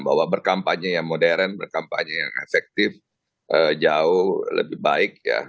bahwa berkampanye yang modern berkampanye yang efektif jauh lebih baik ya